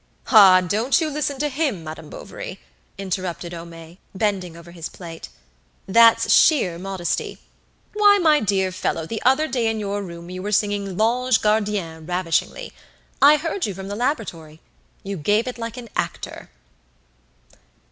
"Ah! don't you listen to him, Madame Bovary," interrupted Homais, bending over his plate. "That's sheer modesty. Why, my dear fellow, the other day in your room you were singing 'L'Ange Gardien' ravishingly. I heard you from the laboratory. You gave it like an actor."